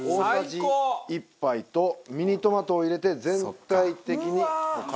大さじ１杯とミニトマトを入れて全体的に絡める。